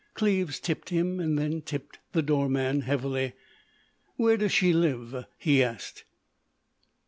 Cleves tipped him and then tipped the doorman heavily. "Where does she live?" he asked.